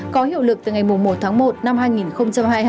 có hiệu lực từ ngày một một một hai nghìn hai mươi hai